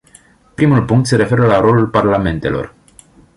Primul punct se referă la rolul parlamentelor.